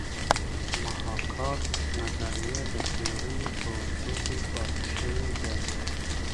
د محاکات نظریه د پیړیو په اوږدو کې پاتې شوې ده